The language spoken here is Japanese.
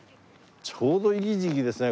ちょうどいい時期ですね